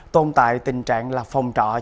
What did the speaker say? tồn tại tình trạng là phòng trọ